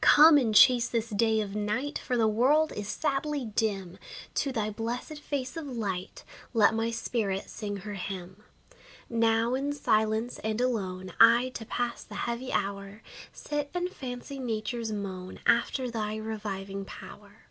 Come, and chase this day of night, For the world is sadly dim. To thy blessed face of light Let my spirit sing her hymn. Now, in silence and alone, I, to pass the heavy hour, Sit and fancy nature's moan After thy reviving power.